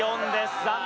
４です。